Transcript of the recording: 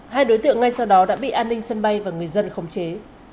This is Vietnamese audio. hai đối tượng ngay sau đó đã bị an ninh sân bay và người dân khống chế